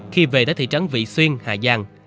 khi về tới thị trấn vị xuyên hà giang